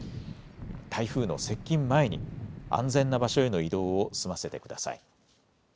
台風の接近前に安全な場所への移動を済ませてください。